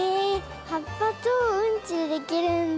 はっぱとうんちでできるんだ。